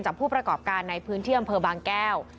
จากผู้ประกอบการในพื้นเที่ยมบางแก้ว